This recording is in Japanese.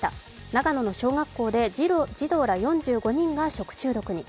長野の小学校で児童ら４５人が食中毒に。